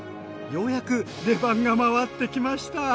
ようやく出番が回ってきました。